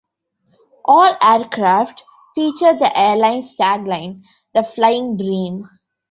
All aircraft featured the airline's tagline, The Flying Dream.